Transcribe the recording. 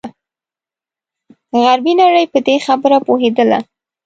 غربي نړۍ په دې خبره پوهېدله.